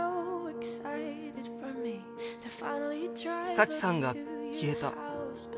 佐知さんが消えた。